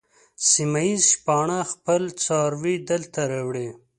سیمه ییز شپانه خپل څاروي دلته راوړي.